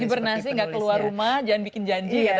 hibernasi gak keluar rumah jangan bikin janji katanya